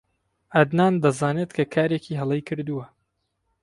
عەدنان دەزانێت کە کارێکی هەڵەی کردووە.